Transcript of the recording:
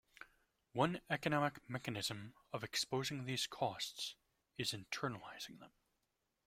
One economic mechanism of exposing these costs is internalizing them.